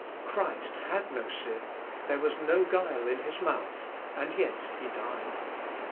Christ had no sin, there was no guile in his mouth, and yet he died!